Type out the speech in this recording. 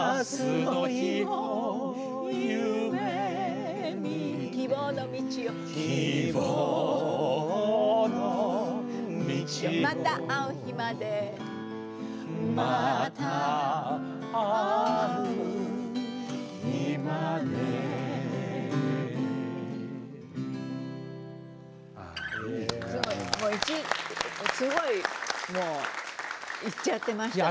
すごいもういっちゃってました。